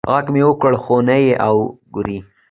غږ مې وکړ خو نه یې اږري